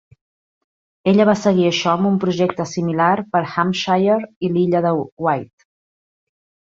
Ella va seguir això amb un projecte similar per Hampshire i l'Illa de Wight.